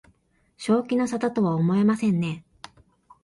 正気の沙汰とは思えませんね